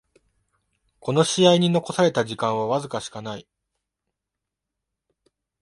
この試合に残された時間はわずかしかない